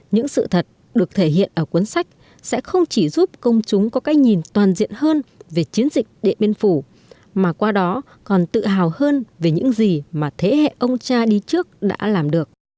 những sự thật được thể hiện ở cuốn sách sẽ không chỉ giúp công chúng có cách nhìn toàn diện hơn về chiến dịch điện biên phủ mà qua đó còn tự hào hơn về những gì mà thế hệ ông cha đi trước đã làm được